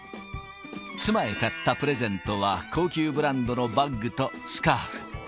妻へ買ったプレゼントは、高級ブランドのバッグとスカーフ。